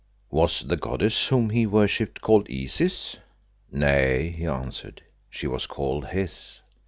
"Was the goddess whom he worshipped called Isis?" "Nay," he answered, "she was called Hes."